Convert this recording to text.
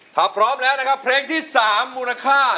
ถ้าพร้อมแล้วนะครับเพลงที่๓มูลค่า